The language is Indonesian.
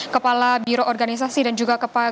kepala biro organisasi dan juga kepala